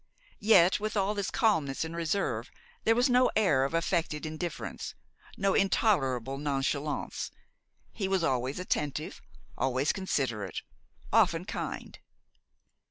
Yet with all this calmness and reserve, there was no air of affected indifference, no intolerable nonchalance; he was always attentive, always considerate, often kind.